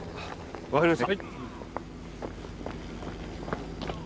わかりました。